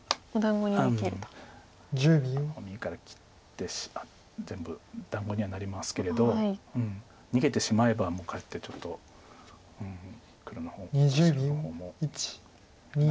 右から切って全部団子にはなりますけれど逃げてしまえばもうかえってちょっと白の方も危ないですよという。